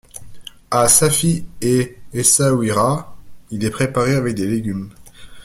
À Safi et Essaouira, il est préparé avec des légumes.